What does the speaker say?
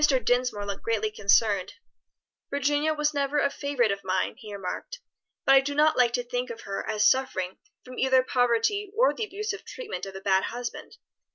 Dinsmore looked greatly concerned. "Virginia was never a favorite of mine," he remarked, "but I do not like to think of her as suffering from either poverty or the abusive treatment of a bad husband.